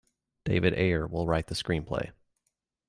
David Ayer will write the screenplay.